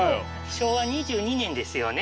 昭和２２年ですよね。